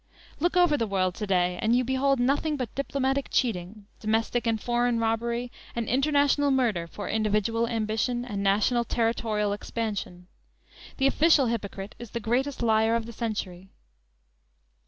Look over the world to day, and you behold nothing but diplomatic cheating, domestic and foreign robbery and international murder for individual ambition and national territorial expansion! The official hypocrite is the greatest liar of the century!